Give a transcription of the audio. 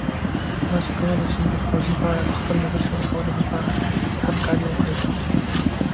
تاسو کولی شئ د پروژې په اړه د خپل نظر شریکولو لپاره همکاري وکړئ.